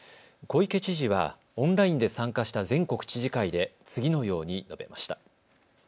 小池知事はオンラインで参加した全国知事会で次のように述べました。